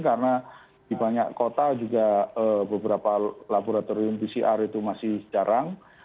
karena di banyak kota juga beberapa laboratorium pcr itu masih jarang